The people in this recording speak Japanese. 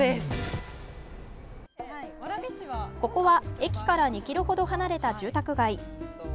ここは駅から２ｋｍ程離れた住宅街。